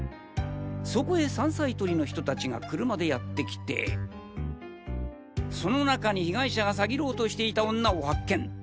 そこへ山菜採りの人達が車でやって来てその中に被害者が詐欺ろうとしていた女を発見！